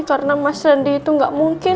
karena mas randy itu gak mungkin